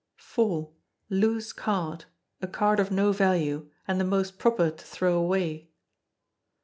iv. Loose Card, a card of no value, and the most proper to throw away.